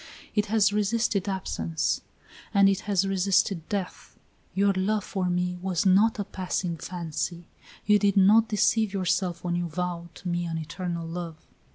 It has resisted absence, and it has resisted death. Your love for me was not a passing fancy; you did not deceive yourself when you vowed me an eternal love.